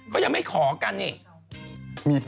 ก็ยังไม่ขอกันอีก